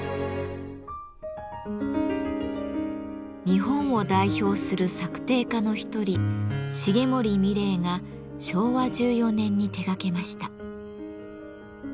日本を代表する作庭家の一人重森三玲が昭和１４年に手がけました。